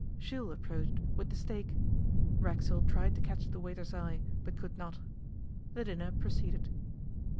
Jules approached with the steak. Racksole tried to catch the waiter's eye, but could not. The dinner proceeded.